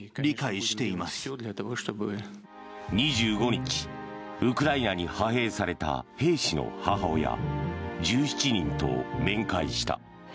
２５日ウクライナに派兵された兵士の母親１７人と面会した。